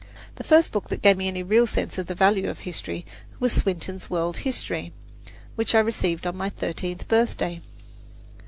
The first book that gave me any real sense of the value of history was Swinton's "World History," which I received on my thirteenth birthday.